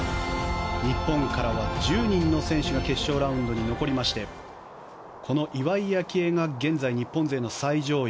日本からは１０人の選手が決勝ラウンドに残りましてこの岩井明愛が現在、日本勢の最上位。